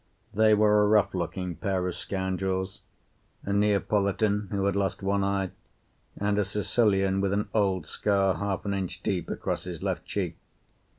They were a rough looking pair of scoundrels a Neapolitan who had lost one eye and a Sicilian with an old scar half an inch deep across his left cheek.